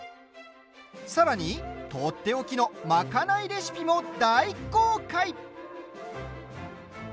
さらに、とっておきのまかないレシピも大公開！